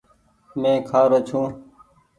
مينٚ کهارو ڇوٚنٚ